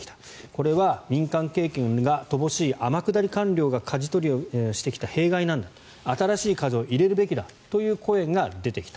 これは民間経験が乏しい天下り官僚がかじ取りをしてきた弊害なんだ新しい風を入れるべきだという声が出てきた。